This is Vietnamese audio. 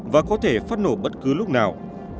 và có thể phát nổ bất cứ lúc nào